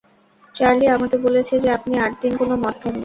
Charlie আমাকে বলেছে যে আপনি আট দিন কোনো মদ খাননি।